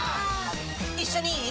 一緒にいい？